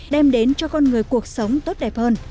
đem đến cho con người cuộc sống tốt đẹp hơn